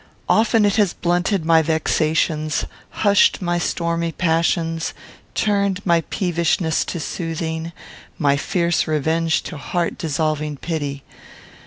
Often it has blunted my vexations; hushed my stormy passions; turned my peevishness to soothing; my fierce revenge to heart dissolving pity.